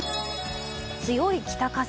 強い北風。